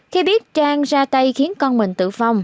khi biết trang ra tay khiến con mình tử vong